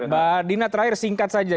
mbak dina terakhir singkat saja